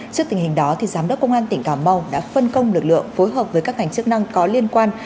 trước tình hình đó giám đốc công an tỉnh cà mau đã phân công lực lượng phối hợp với các ngành chức năng có liên quan